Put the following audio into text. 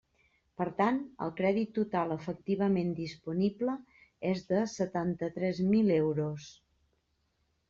Per tant, el crèdit total efectivament disponible és de setanta-tres mil euros.